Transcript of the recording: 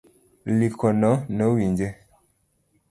Likono nowinje